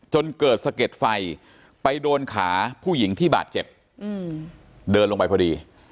จนเกิดสะเก็ดไฟไปโดนขาผู้หญิงที่บาดเจ็บเดินลงไปพอดี